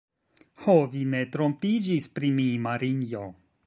Ho, vi ne trompiĝis pri mi, Marinjo!